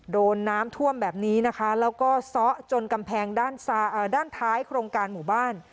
โดนน้ำท่วมแบบนี้นะคะแล้วก็ซ้อจนกำแพงด้านท้ายโครงการหมู่บ้าน